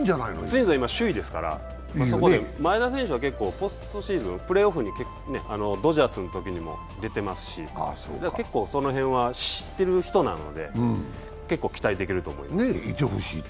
ツインズは今、首位ですから前田選手はポストシーズン、プレーオフに、ドジャースのときも出てますし結構その辺は知っている人なので、結構期待できると思います。